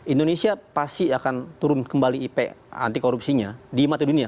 indonesia pasti akan turun kembali ip anti korupsinya di mata dunia